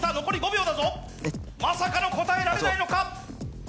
残り５秒だぞ⁉まさかの答えられないのか？